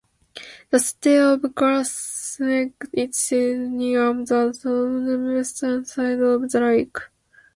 The city of Cass Lake sits near the southwestern side of the lake.